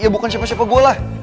ya bukan siapa siapa gue lah